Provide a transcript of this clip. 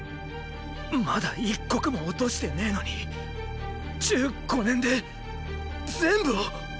まだ一国も落としてねェのに十五年で全部を！